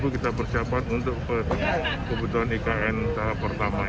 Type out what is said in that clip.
kita persiapkan untuk kebutuhan ikn tahap pertama